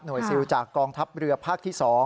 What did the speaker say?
ซิลจากกองทัพเรือภาคที่๒